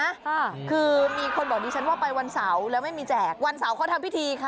ค่ะคือมีคนบอกดิฉันว่าไปวันเสาร์แล้วไม่มีแจกวันเสาร์เขาทำพิธีค่ะ